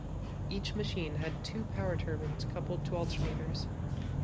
Each machine had two power turbines coupled to alternators.